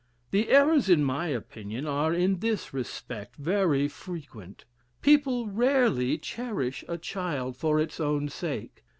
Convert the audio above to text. The errors, in my opinion, are, in this respect, very frequent; people rarely cherish a child for its own sake.